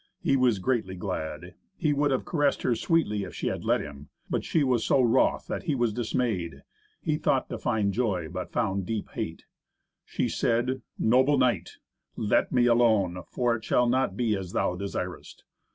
He was greatly glad. He would have caressed her sweetly if she had let him. But she was so wroth that he was dismayed. He thought to find joy, but found deep hate. She said, "Noble knight, let me alone, for it shall not be as thou desirest.